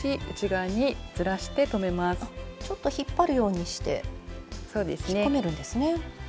ちょっと引っ張るようにして引っ込めるんですね。